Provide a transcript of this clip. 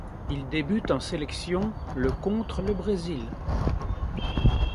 Il débute en sélection le contre le Brésil.